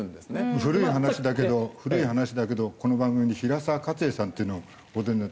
古い話だけど古い話だけどこの番組に平沢勝栄さんっていうお出になった。